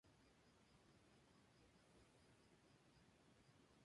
Esta bóveda gallonada está construida con piedra toba y sillarejo.